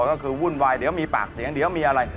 ก็คือวุ่นวายเดี๋ยวมีปากเสียงเดี๋ยวมีอะไร